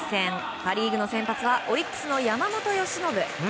パ・リーグの先発はオリックスの山本由伸。